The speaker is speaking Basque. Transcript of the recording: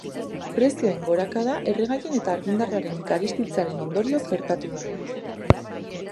Prezioen gorakada erregaien eta argindarraren garestitzearen ondorioz gertatu da.